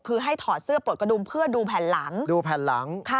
คือให้ถอดเสื้อปลดกระดุมเพื่อดูผ่านหลัง